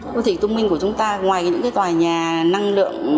ngoài những tòa nhà năng lượng